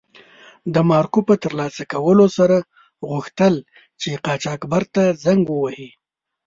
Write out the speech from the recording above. د مارکو په تر لاسه کولو سره غوښتل چې قاچاقبر ته زنګ و وهي.